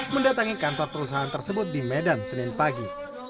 mendatangi kantor perusahaan tersebut di medan senin pagi